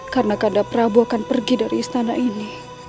karena kakanda prabu akan pergi dari istana ini